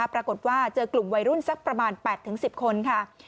ปรากฏว่าเจอกลุ่มวัยรุ่นสักประมาณ๘๑๐คนค่ะ